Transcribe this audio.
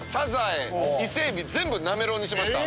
全部なめろうにしました。